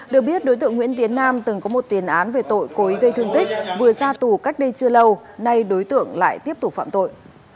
được biết đối tượng nguyễn tiến nam từng có một tiền án về tội cố ý gây thương tích vừa ra tù cách đây chưa lâu nay đối tượng lại tiếp tục phạm tội